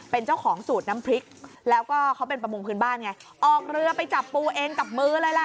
เป็นเจ้าของสูตรน้ำพริกแล้วก็เขาเป็นประมงพื้นบ้านไงออกเรือไปจับปูเองกับมือเลยล่ะ